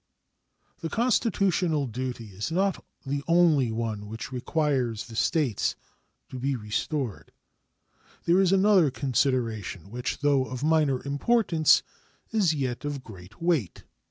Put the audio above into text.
The constitutional duty is not the only one which requires the States to be restored. There is another consideration which, though of minor importance, is yet of great weight.